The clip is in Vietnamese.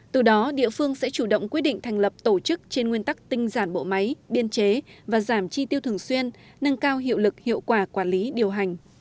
từ đó địa phương sẽ chủ động quyết định thành lập tổ chức trên nguyên tắc tinh giản bộ máy biên chế và giảm chi tiêu thường xuyên nâng cao hiệu lực hiệu quả quản lý điều hành